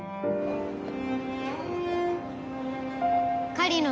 狩野